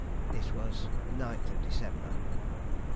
This was the 9th of December.